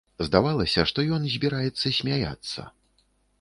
Здавалася, што ён збіраецца смяяцца.